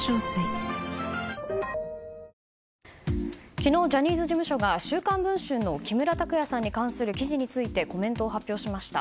昨日、ジャニーズ事務所が「週刊文春」の木村拓哉さんに関する記事についてコメントを発表しました。